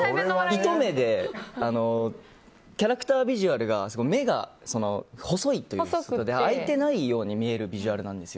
糸目でキャラクタービジュアルが目が細いという開いてないように見えるビジュアルなんです。